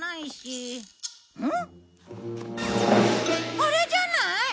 あれじゃない？